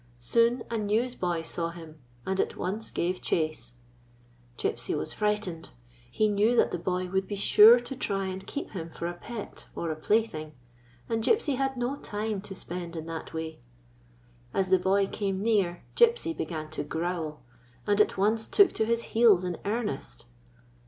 Soon a newsboy saw him, and at once gave chase. Gypsy was frightened. He knew that the boy would be sure to try and keep him for a pet or a plaything, and Gypsy had no time to spend in that way. As the boy came near Gypsy began to growl, and at once took to his heels in earnest.